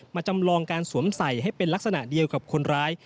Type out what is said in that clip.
จำลองการสวมใส่ให้เป็นลักษณะเดียวกับคนร้าย